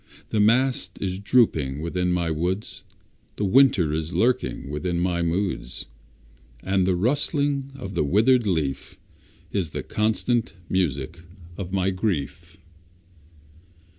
The mast is dropping within my woods, The winter is lurking within my moods, And the rustling of the withered leaf Is the constant music of my grief.